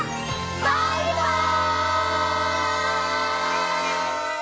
バイバイ！